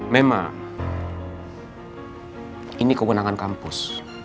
memang ini kewenangan kampus